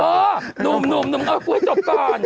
เออหนุ่มหนุ่มกูให้จบก่อน